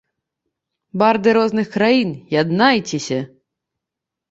Барды розных краін, яднайцеся!